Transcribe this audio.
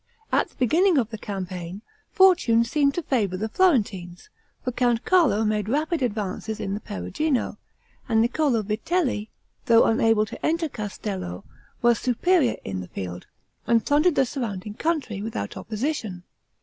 At the beginning of the campaign, fortune seemed to favor the Florentines; for Count Carlo made rapid advances in the Perugino, and Niccolo Vitelli, though unable to enter Castello, was superior in the field, and plundered the surrounding country without opposition.